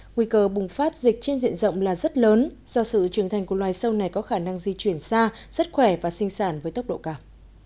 nguy cơ bùng phát dịch trên diện rộng là rất lớn do sự trưởng thành của loài sâu này có khả năng di chuyển xa rất khỏe và sinh sản với tốc độ cao